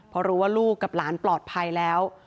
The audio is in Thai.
พอรู้ว่าลูกกับหลานปลอดภัยแล้ว